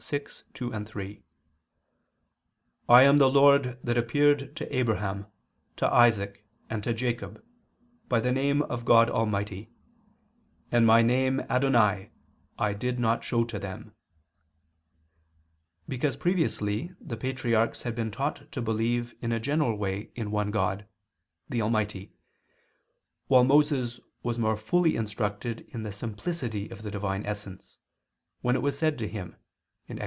6:2, 3): "I am the Lord that appeared to Abraham, to Isaac, and to Jacob, by the name of God almighty, and My name Adonai I did not show to them"; because previously the patriarchs had been taught to believe in a general way in God, one and Almighty, while Moses was more fully instructed in the simplicity of the Divine essence, when it was said to him (Ex.